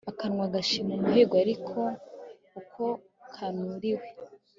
akanwa gashima umuhigo ari uko kanuriwe